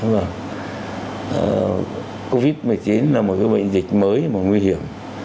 vâng covid một mươi chín là một cái bệnh dịch mới mà nguy hiểm